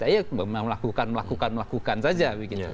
ya melakukan melakukan melakukan saja